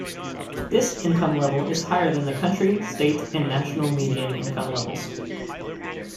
This income level is higher than the county, state, and national median income levels.